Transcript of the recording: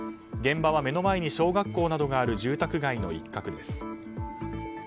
現場は目の前に小学校などがある住宅街の一角です。